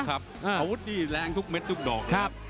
อาวุธนี่แรงทุกเม็ดทุกดอก